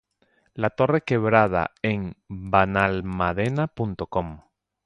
La Torre Quebrada en Benalmadena.com